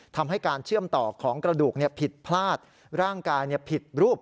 ทำให้การเชื่อมต่อของกระดูกผิดพลาดร่างกายผิดรูป